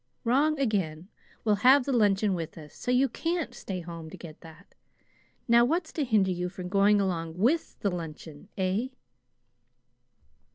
"Wrong again. We'll have the luncheon with us, so you CAN'T stay home to get that. Now what's to hinder your going along WITH the luncheon, eh?"